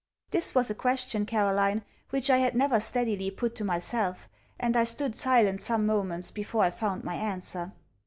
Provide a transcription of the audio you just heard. This was a question, Caroline, which I had never steadily put to myself; and I stood silent some moments before I found my answer.